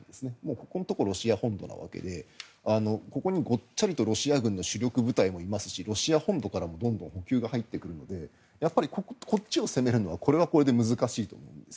ここのところロシア本土なわけでここにごっちゃりとロシア軍の主力部隊もありますしロシア本土からもどんどん補給が入ってきますのでやっぱりこっちを攻めるのはこれはこれで難しいと。